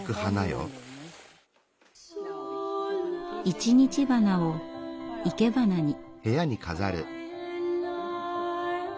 一日花を生け花に。